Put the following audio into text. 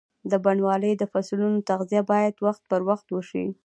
د بڼوالۍ د فصلونو تغذیه باید وخت پر وخت وشي.